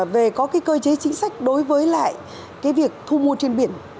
về có cơ chế chính sách đối với việc thu mua trên biển